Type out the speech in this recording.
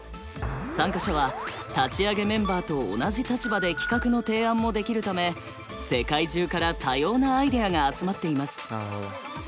参加者は立ち上げメンバーと同じ立場で企画の提案もできるため世界中から多様なアイデアが集まっています。